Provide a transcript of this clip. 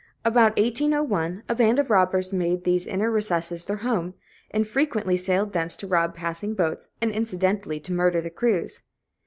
About 1801, a band of robbers made these inner recesses their home, and frequently sallied thence to rob passing boats, and incidentally to murder the crews.